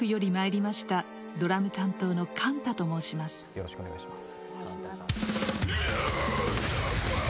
よろしくお願いします。